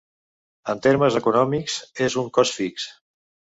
En termes econòmics és un cost fix.